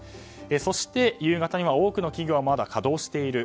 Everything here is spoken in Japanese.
そして、夕方には多くの企業はまだ稼働している。